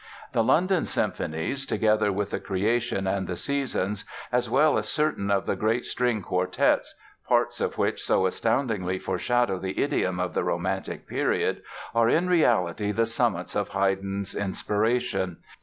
The London Symphonies, together with "The Creation" and "The Seasons" as well as certain of the great string quartets, parts of which so astoundingly foreshadow the idiom of the Romantic period, are, in reality, the summits of Haydn's inspiration.